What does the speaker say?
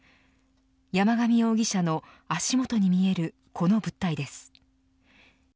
山上容疑者の足元に見えるこの物体です。